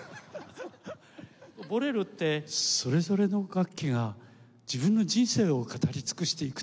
『ボレロ』ってそれぞれの楽器が自分の人生を語り尽くしていくと思うのです。